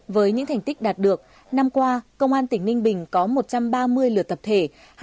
với những thành tích đạt được năm qua công an tỉnh ninh bình có một trăm ba mươi lượt tập thể